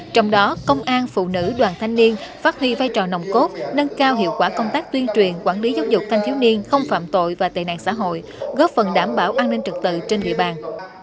trong đó công an phụ nữ đoàn thanh niên phát huy vai trò nồng cốt nâng cao hiệu quả công tác tuyên truyền quản lý giáo dục thanh thiếu niên không phạm tội và tệ nạn xã hội góp phần đảm bảo an ninh trực tự trên địa bàn